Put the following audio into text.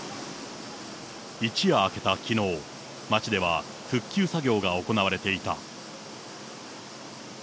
一夜明けたきのう、町では復旧作業が行われていた。